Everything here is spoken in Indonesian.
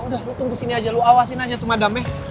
udah lu tunggu sini aja lu awasin aja tuh madame